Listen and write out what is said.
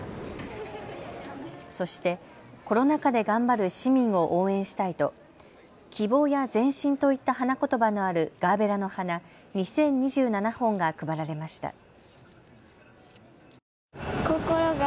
そしてコロナ禍で頑張る市民を応援したいと希望や前進といった花言葉のあるガーベラの花２０２７本が配られました。